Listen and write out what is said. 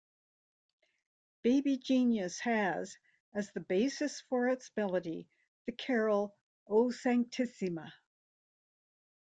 "Baby Genius" has, as the basis for its melody, the carol "O Sanctissima".